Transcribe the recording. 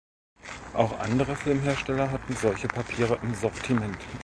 Auch andere Filmhersteller hatten solche Papiere im Sortiment.